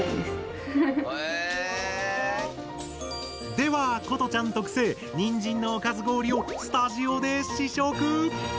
では瑚都ちゃん特製「にんじんのおかず氷」をスタジオで試食！